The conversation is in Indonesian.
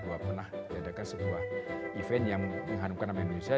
bahwa pernah diadakan sebuah event yang mengharumkan nama indonesia